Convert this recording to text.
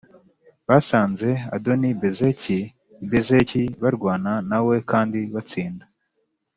Basanze Adoni-Bezeki i Bezeki barwana na we kandi batsinda